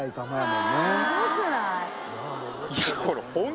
すごくない？